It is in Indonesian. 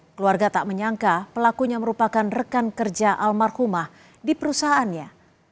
keluarga tak menyangka pelakunya merupakan rekan kerja almarhumah di perusahaannya